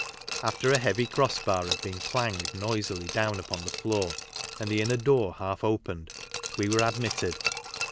After a heavy'cross bar had been clanged noisily down upon j the floor, and the inner door half opened, we were j admitted.